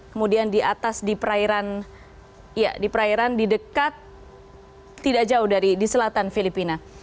kemudian di atas di perairan di dekat tidak jauh dari di selatan filipina